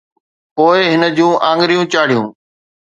پوءِ هن جون آڱريون چاڙهيون